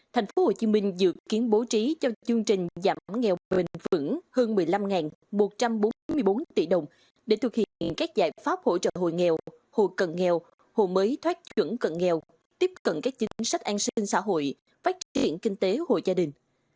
thành phố hồ chí minh dự kiến bố trí cho chương trình giảm nghèo bình vững hơn một mươi năm một trăm bốn mươi bốn tỷ đồng để thực hiện các giải pháp hỗ trợ hồ nghèo hồ cần nghèo hồ mới thoát chuẩn cần nghèo tiếp cận các chính sách an sinh xã hội phát triển kinh tế hồ gia đình